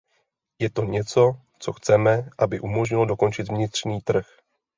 Je to něco, co chceme, aby umožnilo dokončit vnitřní trh.